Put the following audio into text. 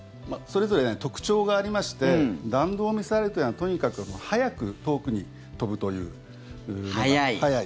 それぞれ特徴がありまして弾道ミサイルというのはとにかく速く遠くに飛ぶという。